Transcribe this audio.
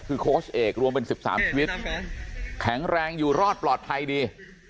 คือโค้ชเอกรวมเป็น๑๓ชีวิตแข็งแรงอยู่รอดปลอดภัยดี